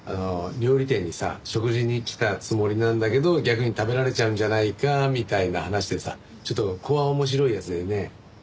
料理店にさ食事に来たつもりなんだけど逆に食べられちゃうんじゃないかみたいな話でさちょっと怖面白いやつだよね。